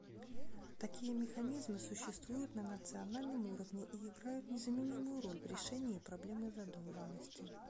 Такие механизмы существуют на национальном уровне и играют незаменимую роль в решении проблемы задолженности.